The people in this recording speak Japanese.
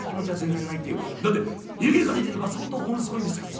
だって湯気が出てるから相当保温すごいんですよね」。